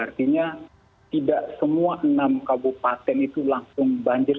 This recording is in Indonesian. artinya tidak semua enam kabupaten itu langsung banjir